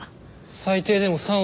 最低でも３億。